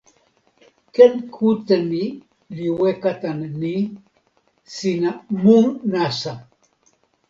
ken kute mi li weka tan ni: sina mu nasa.